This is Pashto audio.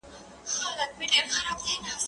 زه به لوبه کړې وي،